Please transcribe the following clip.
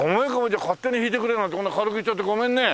じゃあ勝手に弾いてくれなんてこんな軽く言っちゃってごめんね。